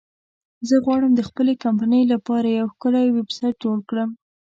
زه غواړم د خپلې کمپنی لپاره یو ښکلی ویبسایټ جوړ کړم